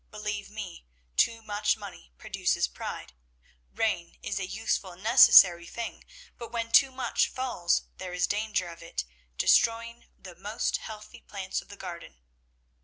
Believe me, too much money produces pride. Rain is a useful and necessary thing, but when too much falls there is danger of it destroying the most healthy plants of the garden.'